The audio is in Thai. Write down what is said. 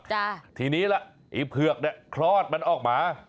จ้ะทีนี้ล่ะไอ้เผือกเนี่ยคลอดมันออกมา